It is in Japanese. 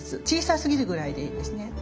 小さすぎるぐらいでいいですね。